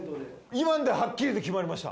今のではっきりと決まりました。